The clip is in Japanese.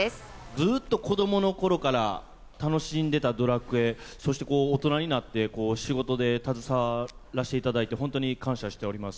ずっと子どものころから楽しんでたドラクエ、そしてこう、大人になって、仕事で携わらせていただいて、本当に感謝しております。